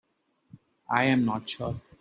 I am not sure.